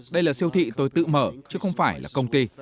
đây là siêu thị tôi tự mở chứ không phải là công ty